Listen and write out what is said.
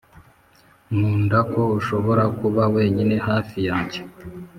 nkunda ko ushobora kuba wenyine hafi yanjye